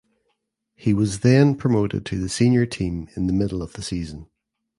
He was then promoted to the senior team in the middle of the season.